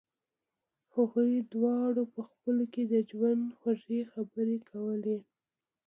هغوی دواړو په خپلو کې د ژوند خوږې خبرې کولې